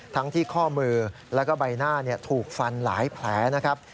ที่ข้อมือแล้วก็ใบหน้าถูกฟันหลายแผลนะครับ